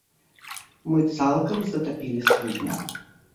Мы цалкам затапілі судна!